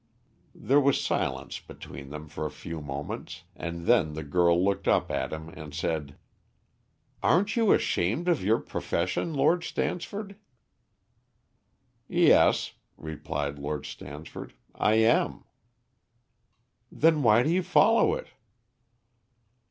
There was silence between them for a few moments, and then the girl looked up at him and said "Aren't you ashamed of your profession, Lord Stansford?" "Yes," replied Lord Stansford, "I am." "Then why do you follow it?"